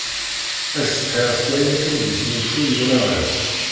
Ad setḥiɣ s wayen akken d-yesnlfuy wallaɣ-iw.